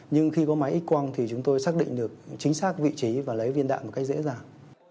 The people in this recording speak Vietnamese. nhưng khi có máy x quang thì chúng tôi xác định được chính xác vị trí và lấy viên đạn một cách dễ dàng